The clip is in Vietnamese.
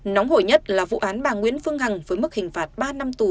nóng hổi nhất là vụ án bà nguyễn phương hằng với mức hình phạt ba năm tù